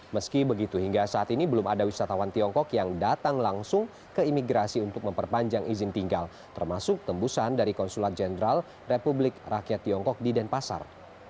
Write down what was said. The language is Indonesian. meski begitu hingga saat ini belum ada wisatawan tiongkok yang datang langsung ke imigrasi untuk memperpanjang izin tinggal termasuk tembusan dari konsulat jenderal republik rakyat tiongkok di denpasar